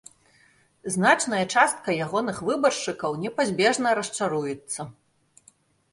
Значная частка ягоных выбаршчыкаў непазбежна расчаруецца.